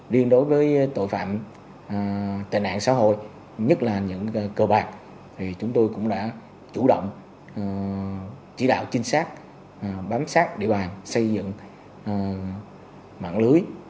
đối với tội phạm tài nạn xã hội nhất là những cơ bạc chúng tôi cũng đã chủ động chỉ đạo chính xác bám sát địa bàn xây dựng mạng lưới